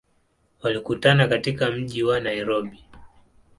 Walikutana katika mji wa Nairobi.